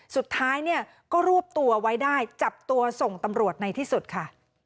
สุดท้ายเนี่ยก็รวบตัวไว้ได้จับตัวส่งตำรวจในที่สุดค่ะ